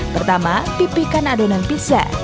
pertama pipihkan adonan pizza